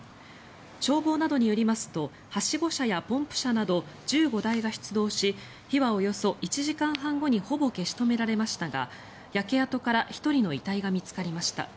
消防などによりますとはしご車やポンプ車など１５台が出動し火はおよそ１時間半後にほぼ消し止められましたが焼け跡から１人の遺体が見つかりました。